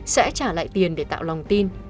sẽ trả lại tiền để tạo lòng tin